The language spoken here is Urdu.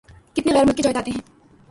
کتنی غیر ملکی جائیدادیں ہیں۔